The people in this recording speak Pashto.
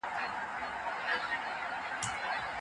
څه شی د هغوی په ژوند کي مثبت بدلون راوستی سي؟